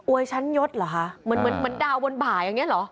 อวยชั้นยศเหรอฮะเหมือนดาวบนบ่ายอย่างนี้เหรอ